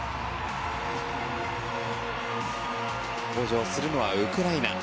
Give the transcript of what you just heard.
登場するのはウクライナ。